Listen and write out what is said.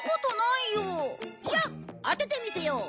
いや当ててみせよう！